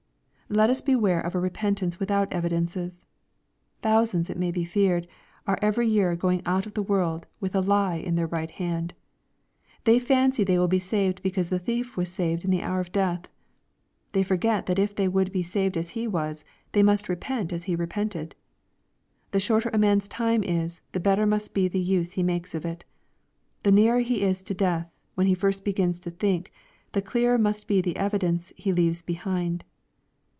Let us beware of a repentance without evidences. Thousands, it may be feared, are every year going out of the world with a lie in their right hand. They fancy they will be saved because the thief was saved in the hour of death. They forget that if they would be saved as he was, they must repent as he repented. The shorter a man's time is, the better must be the use he makes of it. The nearer he is to death, when he first begins to think, the clearer must be the evidence he leaves behind.